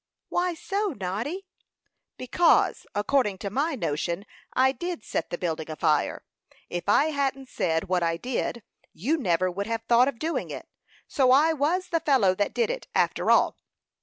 "Why so, Noddy?" "Because, according to my notion, I did set the building afire. If I hadn't said what I did, you never would have thought of doing it. So I was the fellow that did it, after all.